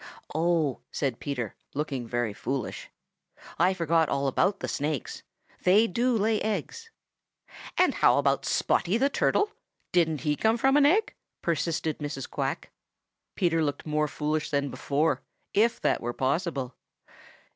"Oh!" said Peter, looking very foolish. "I forgot all about the Snakes. They do lay eggs." "And how about Spotty the Turtle? Didn't he come from an egg?" persisted Mrs. Quack. Peter looked more foolish than before, if that were possible.